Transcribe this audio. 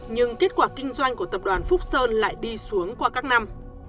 nhưng kết quả kinh doanh của tập đoàn phúc sơn lại đi xuống qua các năm